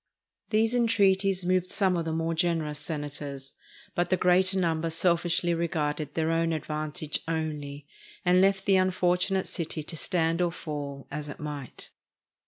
These entreaties moved some of the more generous Senators. But the greater number selfishly regarded their own advantage only, and left the unfortunate city to stand or fall, as it might.